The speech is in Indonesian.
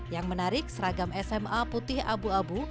yang menarik seragam sma putih abu abu